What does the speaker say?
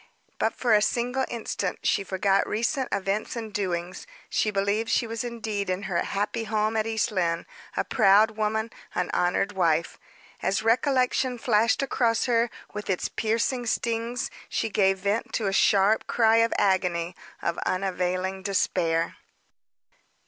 But, for a single instant, she forgot recent events and doings, she believed she was indeed in her happy home at East Lynne, a proud woman, an honored wife. As recollection flashed across her, with its piercing stings, she gave vent to a sharp cry of agony, of unavailing despair.